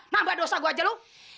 nambah dosa gue aja lu